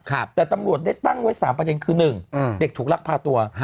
ครับแต่ตำรวจได้ตั้งไว้๓ประเย็นคือหนึ่งเด็กถูกรักพาตัว